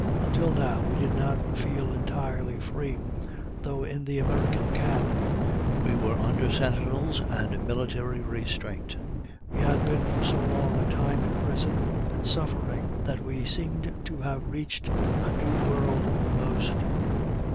Until now we did not feel entirely free; though in the American camp, we were under sentinels and military restraint. We had been for so long a time in prison, and suffering, that we seemed to have reached a new world almost.